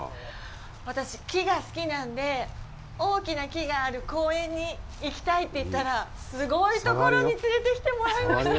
私、木が好きなので、大きな木がある公園に行きたいって言ったら、すごいところに連れてきてもらいました。